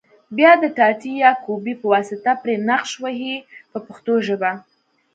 بیا د ټاټې یا کوبې په واسطه پرې نقش وهي په پښتو ژبه.